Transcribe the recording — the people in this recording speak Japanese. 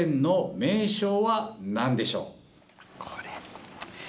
これ。